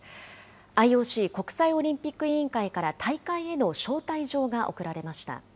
ＩＯＣ・国際オリンピック委員会から大会への招待状が送られまし